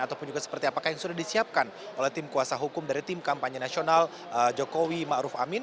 ataupun juga seperti apakah yang sudah disiapkan oleh tim kuasa hukum dari tim kampanye nasional jokowi ⁇ maruf ⁇ amin